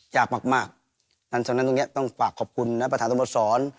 อยากมากฉะนั้นตรงนี้ต้องฝากขอบคุณนะครับประธานตรงประสรร